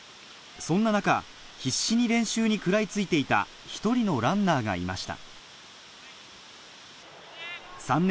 そんな中必死に練習に食らい付いていた一人のランナーがいました